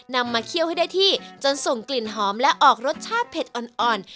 มาเคี่ยวให้ได้ที่จนส่งกลิ่นหอมและออกรสชาติเผ็ดอ่อน